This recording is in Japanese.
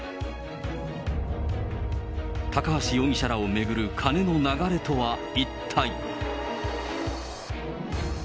高橋容疑者らを巡るカネの流れとは一体。